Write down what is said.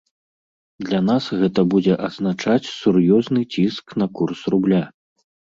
Для нас гэта будзе азначаць сур'ёзны ціск на курс рубля.